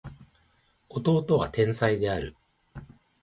弟は天才である